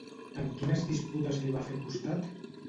En quines disputes li va fer costat?